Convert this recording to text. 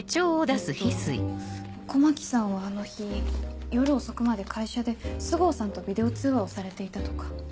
えっと狛木さんはあの日夜遅くまで会社で須郷さんとビデオ通話をされていたとか。